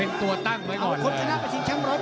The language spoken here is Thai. เอาคนชนะไปชิงชั้น๑๐๘ปอนด์